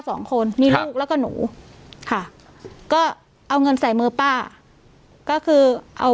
สองคนมีลูกแล้วก็หนูค่ะก็เอาเงินใส่มือป้าก็คือเอา